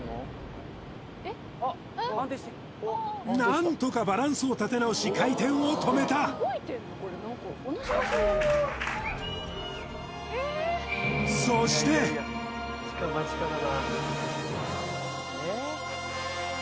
何とかバランスを立て直し回転を止めたフッフー！